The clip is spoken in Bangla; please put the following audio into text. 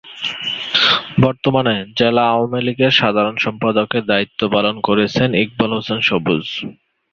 বর্তমানে জেলা আওয়ামী লীগের সাধারণ সম্পাদকের দায়িত্ব পালন করছেন ইকবাল হোসেন সবুজ।